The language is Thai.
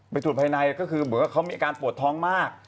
ไปตรวจพายในเหมือนเค้าเป็นบิงแปลกท้องมาก